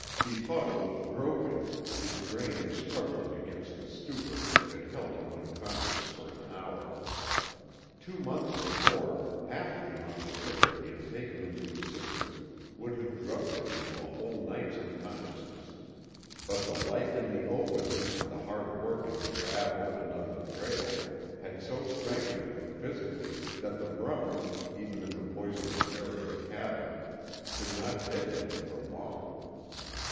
Befuddled, groping, his brain was struggling against the stupor that had held him unconscious for an hour. Two months before, half the amount of liquor he had taken into his system would have drugged him into a whole night's unconsciousness, but the life in the open, and the hard work in the gravel and on the trail, had so strengthened him physically that the rum, even in the poisonous air of the cabin could not deaden him for long.